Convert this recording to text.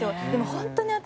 ホントに私